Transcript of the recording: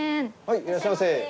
いらっしゃいませ。